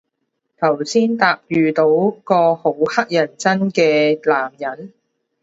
頭先搭遇到個好乞人憎嘅男人